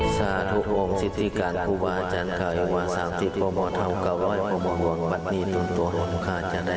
สาธุโอมสิทธิการภูมิอาจารย์เคยว่าสังฆิตโปรโมทเท่าเกาไหร่โปรโมทวงบัตนีตุนตัวหลวงค่าจะได้